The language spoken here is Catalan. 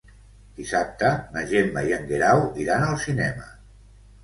Dissabte na Gemma i en Guerau iran al cinema.